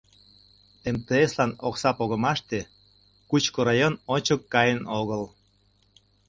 МТС-лан окса погымаште Кучко район ончык каен огыл.